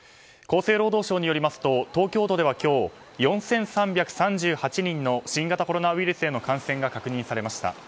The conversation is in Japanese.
厚生労働省によりますと東京都では今日４３３８人の新型コロナウイルスへの感染が確認されました。